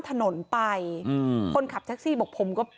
มีเรื่องอะไรมาคุยกันรับได้ทุกอย่าง